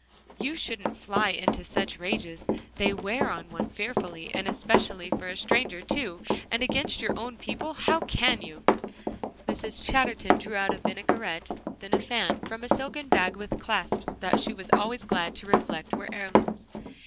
You shouldn't fly into such rages; they wear on one fearfully; and especially for a stranger too, and against your own people how can you?" Mrs. Chatterton drew out a vinaigrette, then a fan from a silken bag, with clasps that she was always glad to reflect were heirlooms.